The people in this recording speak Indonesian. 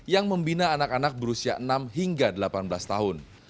yang membina anak anak berusia enam hingga delapan belas tahun